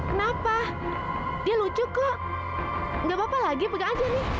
kenapa dia lucu kok nggak apa apa lagi pega aja nih